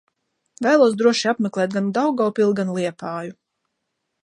Vēlos droši apmeklēt gan Daugavpili, gan Liepāju.